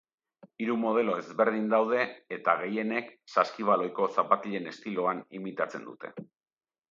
Hiru modelo ezberdin daude eta gehienek saskibaloiko zapatilen estiloan imitatzen dute.